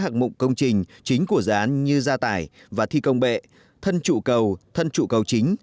hạng mục công trình chính của dự án như gia tải và thi công bệ thân trụ cầu thân trụ cầu chính